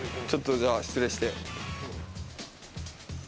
ちょっと、じゃあ失礼して。